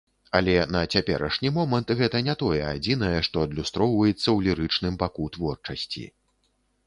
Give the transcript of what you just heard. Але на цяперашні момант, гэта не тое адзінае, што адлюстроўваецца ў лірычным баку творчасці.